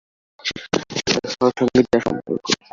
দুটো খাওয়ার সঙ্গে যা সম্পর্ক।